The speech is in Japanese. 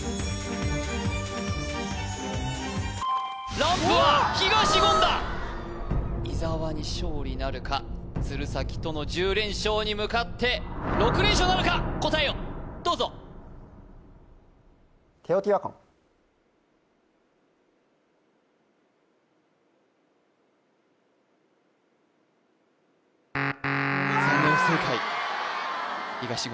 ランプは東言だ伊沢に勝利なるか鶴崎との１０連勝に向かって６連勝なるか答えをどうぞ残念不正解東言